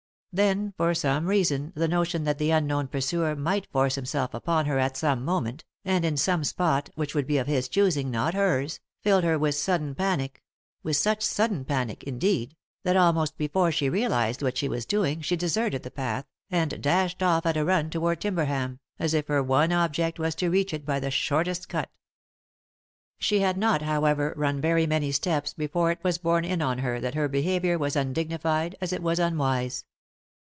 Then, for some reason, the notion that the unknown pursuer might force himself upon her at some moment, and in some spot which would be of his choosing, not hers, filled her with sudden panic, with such sudden panic, indeed, that almost before she realised what she was doing she deserted the path, and dashed off at a run toward Timberham, as if her one object was to reach it by the shortest cut. She had not, however, run very many steps before it was borne in on her that her behaviour was as un dignified as it was unwise.